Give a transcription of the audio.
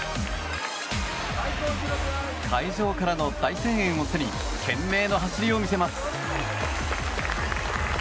会場から大声援を背に懸命の走りを見せます。